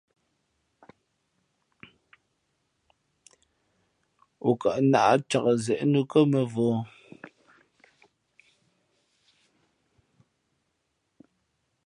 O kαʼ nāʼ cak zě nǔkά mᾱvǒ.